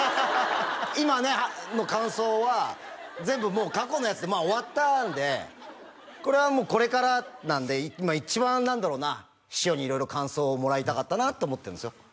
今の感想は全部もう過去のやつで終わったんでこれはこれからなので今一番何だろうな師匠に色々感想をもらいたかったなと思ってるんですよ